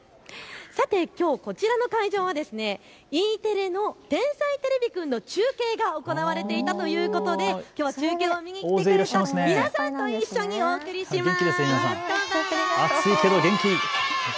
さて、きょうこちらの会場はＥテレの天才てれびくんの中継が行われていたということできょうは中継を見に来てくれた皆さんと一緒にお送りします。